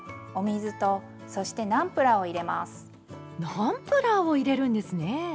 ナンプラーを入れるんですね！